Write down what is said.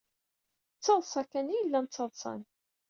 D taḍsa kan ay llan ttaḍsan.